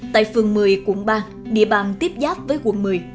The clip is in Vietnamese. tại phường một mươi quận ba địa bàn tiếp giáp với quận một mươi